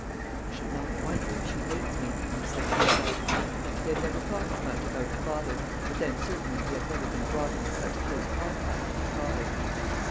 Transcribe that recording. "I should not wonder if she hates me," he said to himself. He had never thought as much about her father, but then certainly he had never been brought into such close contact with her father.